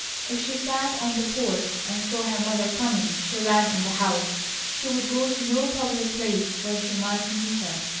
If she sat on the porch, and saw her mother coming, she ran in the house. She would go to no public place where she might meet her.